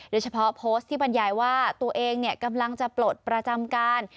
โดยเฉพาะโพสต์ที่บรรยายว่าตัวเองกำลังจะปลดประจำการ